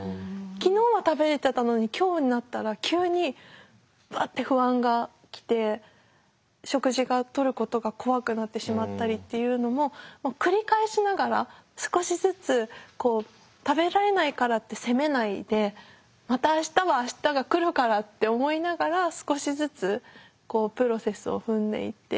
昨日は食べれてたのに今日になったら急にバッて不安がきて食事がとることが怖くなってしまったりっていうのも繰り返しながら少しずつこう食べられないからって責めないでまた明日は明日が来るからって思いながら少しずつこうプロセスを踏んでいって。